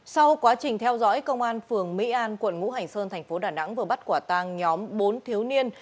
sau quá trình theo dõi công an phường mỹ an quận ngũ hành sơn thành phố đà nẵng vừa bắt quả tàng nhóm bốn thiếu niên